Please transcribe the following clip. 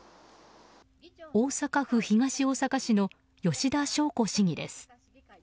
大阪府東大阪市の吉田聖子市議です。